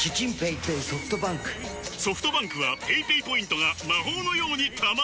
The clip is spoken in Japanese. ソフトバンクはペイペイポイントが魔法のように貯まる！